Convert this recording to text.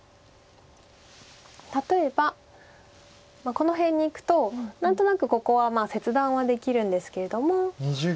例えばこの辺にいくと何となくここは切断はできるんですけれども。